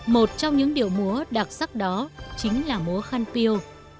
một trong những điệu múa đặc sắc đó chính là múa khăn piêu